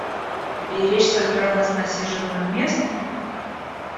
Беречь сохранность насиженных мест?